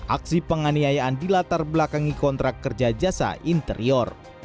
aksi penganiayaan dilatar belakangi kontrak kerja jasa interior